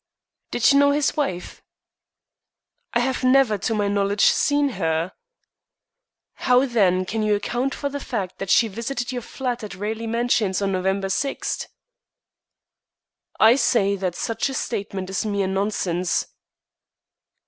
"Did you know his wife?" "I have never, to my knowledge, seen her." "How, then, can you account for the fact that she visited your flat at Raleigh Mansions on November 6." "I say that such a statement is mere nonsense."